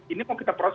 ini mau kita proses